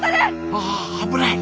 ああっ危ない！